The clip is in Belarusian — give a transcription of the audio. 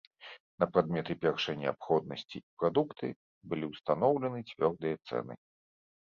На прадметы першай неабходнасці і прадукты былі ўстаноўлены цвёрдыя цэны.